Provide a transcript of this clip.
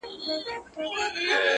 لومړی ملګری د ډاکټرانو!